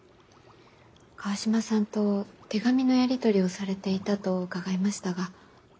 川島さんと手紙のやり取りをされていたと伺いましたが。